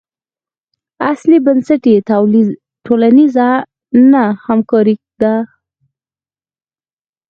اصلي بنسټ یې ټولنیزه نه همکاري ده.